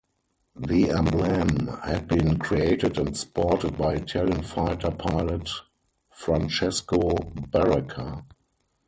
The emblem had been created and sported by Italian fighter pilot Francesco Baracca.